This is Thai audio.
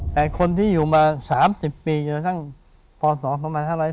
แต่คนที่อยู่มา๓๐ปีอยู่ทั้งพศ๕๓๐เนี่ย